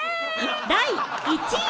・第１位！